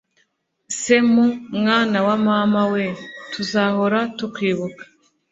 semu mwana wa mama we, tuzahora tukwibuka